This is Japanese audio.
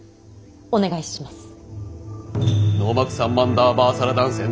お願いします。